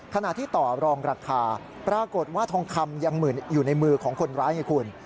ขณะที่ต่อรองราคาปรากฏว่าทองคำยังอยู่ในมือของคนร้ายไงคุณ